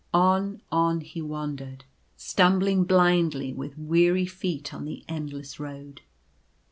On, on he wandered ; stumbling blindly with weary feet on the endless road.